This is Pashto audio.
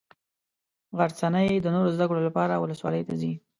غرڅنۍ د نورو زده کړو لپاره ولسوالي ته ځي.